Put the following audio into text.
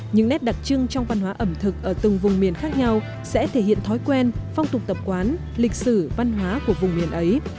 những nét đặc trưng trong văn hóa ẩm thực ở từng vùng miền khác nhau sẽ thể hiện thói quen phong tục tập quán lịch sử văn hóa của vùng miền ấy